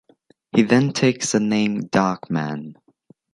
He then takes the name Darkman.